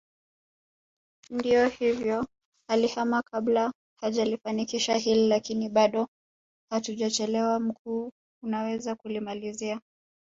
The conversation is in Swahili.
Ndio hivyo alihama kabla hajalifanikisha hili lakini bado hatujachelewa mkuu unaweza kulimalizia